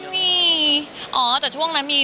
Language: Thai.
ไม่น่าจะมี